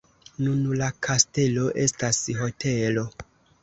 Nun la kastelo estas hotelo.